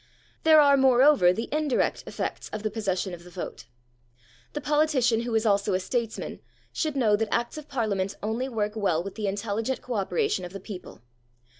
There are, moreover, the indirect effects of the possession of the vote. The politician who is also a statesman should know that Acts of Parliament only work well with the intelligent co operation of the people.